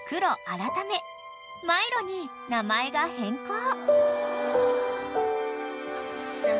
改めマイロに名前が変更］